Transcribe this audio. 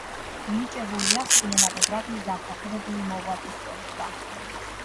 მინიჭებული აქვს კინემატოგრაფიის დამსახურებული მოღვაწის წოდება.